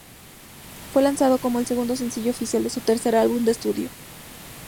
Fue lanzado como el segundo sencillo oficial de su tercer álbum de estudio.